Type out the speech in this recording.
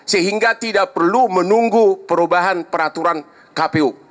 sehingga tidak perlu menunggu perubahan peraturan kpu